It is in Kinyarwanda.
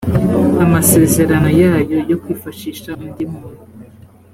amasezerano yayo yo kwifashisha undi muntu